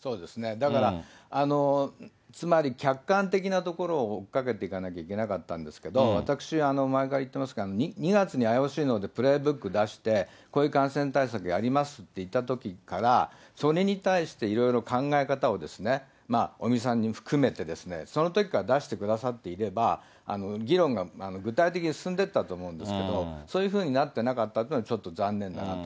だからつまり客観的なところを追っかけていかなければいけなかったんですけど、私は毎回言ってますが、２月にＩＯＣのほうがプレイブックを出して、こういう感染対策やりますって言ったときから、それに対していろいろ考え方を、尾身さんを含めて、そのときから出してくださっていれば、議論が具体的に進んでいったと思うんですけど、そういうふうになってなかったというのは、ちょっと残念だなと。